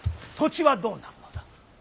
土地はどうなるのだ。